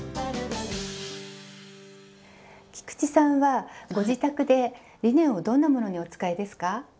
菊池さんはご自宅でリネンをどんなものにお使いですか？